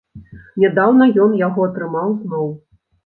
Нядаўна ён яго атрымаў зноў.